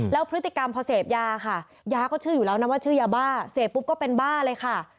แล้วพฤติกรรมพอเสพยาค่ะยาก็เชื่ออยู่แล้วนะว่าชื่อยาบ้าเสพปุ๊บก็เป็นบ้าเลยค่ะ